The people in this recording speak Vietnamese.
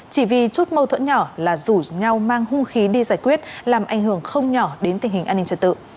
chỉ vì chút mâu thuẫn nhỏ là rủ nhau mang hung khí đi giải quyết làm ảnh hưởng không nhỏ đến tình hình an ninh trật tự